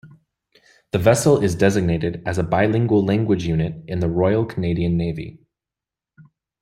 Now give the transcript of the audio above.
The vessel is designated as a Bilingual Language Unit in the Royal Canadian Navy.